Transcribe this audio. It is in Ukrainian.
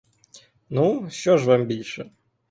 Ну, що ж вам більше.